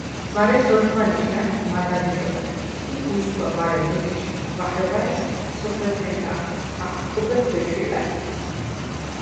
მარე სორთმანიშ ნა̈ქვ მად ადჟომეხ ი უსგვა მარე ლჷთიშ მახეღვა̈ჟ სოფელხენქა ახტყუბეხ ბეჩვილა̈რს.